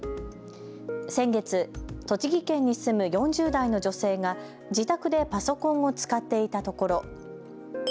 先月、栃木県に住む４０代の女性が自宅でパソコンを使っていたところ。